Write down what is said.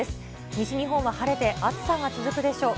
西日本は晴れて、暑さが続くでしょう。